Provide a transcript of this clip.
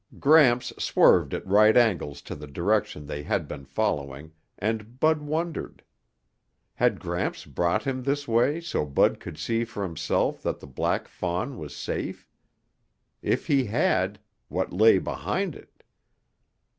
Gramps swerved at right angles to the direction they had been following and Bud wondered. Had Gramps brought him this way so Bud could see for himself that the black fawn was safe? If he had, what lay behind it?